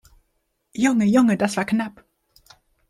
Junge, Junge, das war knapp!